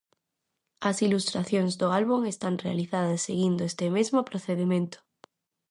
As ilustracións do álbum están realizadas seguindo este mesmo procedemento.